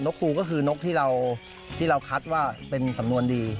ครูก็คือนกที่เราคัดว่าเป็นสำนวนดี